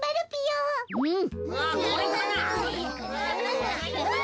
うん！